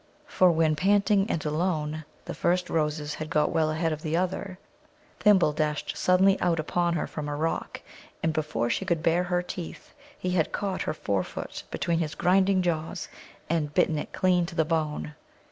For when, panting and alone, the first Roses had got well ahead of the other, Thimble dashed suddenly out upon her from a rock, and before she could bare her teeth, he had caught her forefoot between his grinding jaws and bitten it clean to the bone.